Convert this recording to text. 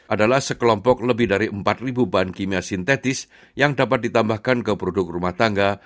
adalah sekelompok lebih dari empat bahan kimia sintetis yang dapat ditambahkan ke produk rumah tangga